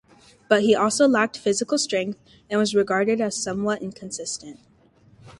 But he also lacked physical strength and was regarded as somewhat inconsistent.